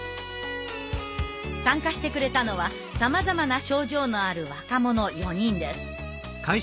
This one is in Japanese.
参加してくれたのはさまざまな症状のある若者４人です。